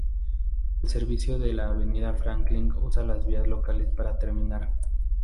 El servicio de la Avenida Franklin usa las vías locales para terminar.